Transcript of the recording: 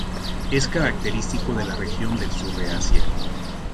Es característico de la región del Sur de Asia.